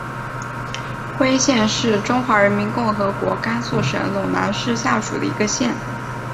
徽县是中华人民共和国甘肃省陇南市下属的一个县。